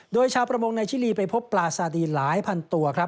โดยชาวประมงในชิลีไปพบปลาซาดีนหลายพันตัวครับ